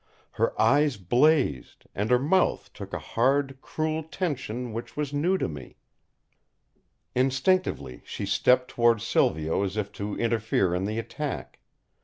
Her eyes blazed, and her mouth took a hard, cruel tension which was new to me. Instinctively she stepped towards Silvio as if to interfere in the attack.